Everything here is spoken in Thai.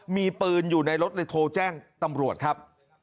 มีปืนอยู่ในรถเลยโทรแจ้งตำรวจครับ